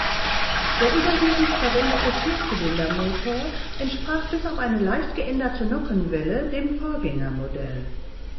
Der überwiegend verwendete Vierzylindermotor entsprach bis auf eine leicht geänderte Nockenwelle dem Vorgängermodell.